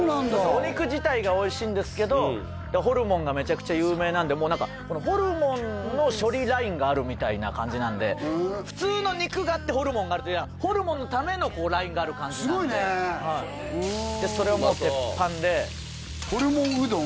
お肉自体がおいしいんですけどホルモンがめちゃくちゃ有名なんでこのホルモンの処理ラインがあるみたいな感じなんで普通の肉があってホルモンがあるというよりはホルモンのためのラインがある感じなんですごいねそれをもう鉄板でホルモンうどん？